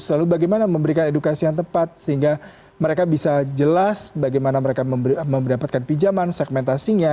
lalu bagaimana memberikan edukasi yang tepat sehingga mereka bisa jelas bagaimana mereka mendapatkan pinjaman segmentasinya